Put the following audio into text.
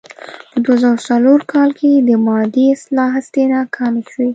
په دوه زره څلور کال کې د مادې اصلاح هڅې ناکامې شوې.